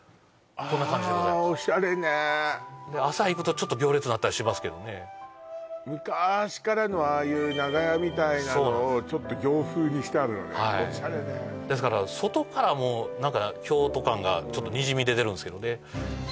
こんな感じでございますで朝行くとちょっと行列になったりしますけどね昔からのああいう長屋みたいなのをちょっと洋風にしてあるのねオシャレねですから外からも京都感がにじみ出てるんですけどね